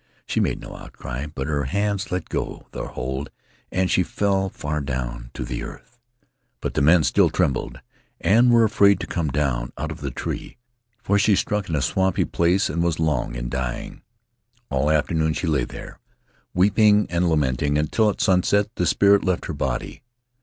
She made no outcry, but her hands let go their hold and she fell far down to the earth. But the men still trembled and were afraid to come down out of the tree, for she struck in a swampy place and was long in dying; all afternoon she lay there, weeping and lamenting, until at sunset the spirit left her body.